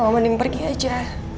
kalo mending pergi aja